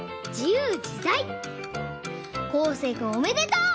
こうせいくんおめでとう！